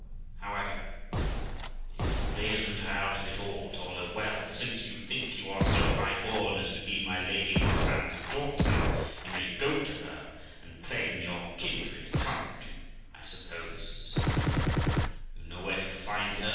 However, Amy brazened her out of it all; told her, 'Well, since you think you are so high born as to be my Lady Roxana's daughter, you may go to her and claim your kindred, can't you? I suppose', says Amy, 'you know where to find her?'